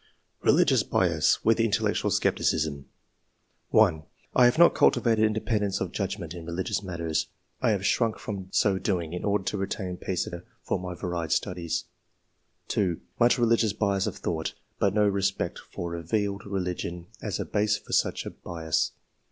] Religious bias, with intellectual scepticism, — 1. ''I have not cultivated independence of judgment in religious matters ; I have shrunk from so doing in order to retain peace of mind and leisure for my varied studies/' 2. *' Much religious bias of thought, but no re spect for revealed religion as a base for such a bias."